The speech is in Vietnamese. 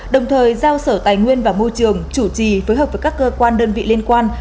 đồng thời giao sở tài nguyên và môi trường chủ trì phối hợp với các cơ quan đơn vị liên quan